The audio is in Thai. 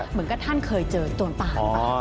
เหมือนกับท่านเคยเจอตวนป่าหรือเปล่า